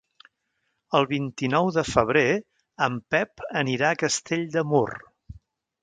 El vint-i-nou de febrer en Pep anirà a Castell de Mur.